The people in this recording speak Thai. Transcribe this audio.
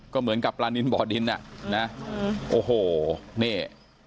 ก็เหมือนกับปลานินบ่อดินอ่ะนะโอ้โหนี่